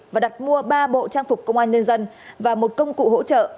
và đặt mua ba bộ trang phục công an nhân dân và một công cụ hỗ trợ